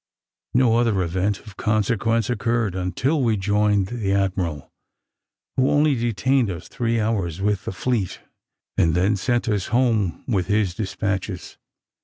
No other event of consequence occurred until we joined the admiral, who only detained us three hours with the fleet, and then sent us home with his despatches.